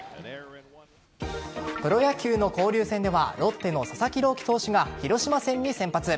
プロ野球の交流戦ではロッテの佐々木朗希投手が広島戦に先発。